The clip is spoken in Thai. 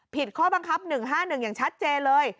ข้อบังคับ๑๕๑อย่างชัดเจนเลย